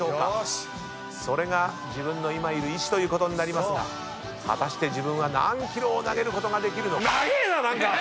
それが自分の今いる位置ということになりますが果たして自分は何キロを投げることができるのか。